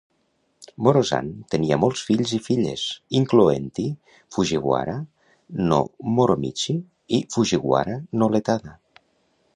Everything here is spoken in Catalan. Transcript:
Morozane tenia molts fills i filles, incloent-hi Fujiwara no Moromichi i Fujiwara no Ietada.